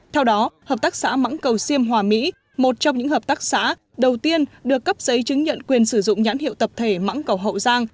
theo đó hợp tác xã mắng cầu xiêm hòa mỹ một trong những hợp tác xã đầu tiên được cấp giấy chứng nhận quyền sử dụng nhãn hiệu tập thể mắng cầu hậu giang